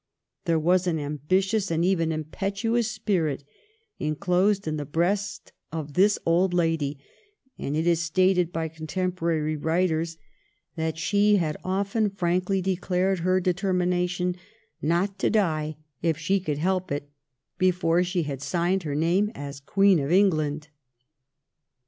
There was an ambitious and even impetuous spirit enclosed in the breast of this old lady, and it is stated by contem porary writers that she had often frankly declared her determination not to die if she could help it be fore she had signed her name as Queen of England.